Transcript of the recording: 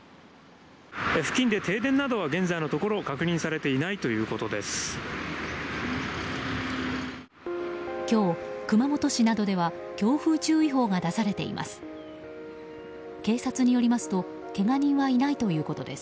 付近で停電などは現在のところ確認されていないということです。